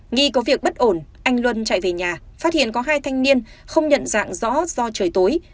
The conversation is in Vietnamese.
nghi có việc bất ổn anh luân chạy về nhà phát hiện có hai thanh niên không nhận dạng rõ do trời tối